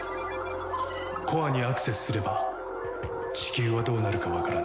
コアにアクセスすれば地球はどうなるかわからない。